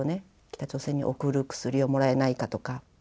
北朝鮮に送る薬をもらえないかとか。